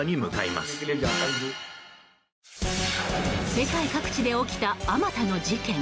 世界各地で起きたあまたの事件。